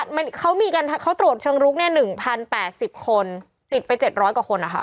มันเขามีการเขาตรวจเชิงลุกเนี่ย๑๐๘๐คนติดไป๗๐๐กว่าคนนะคะ